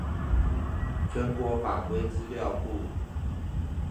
全國法規資料庫